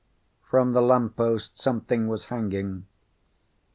From the lamppost something was hanging.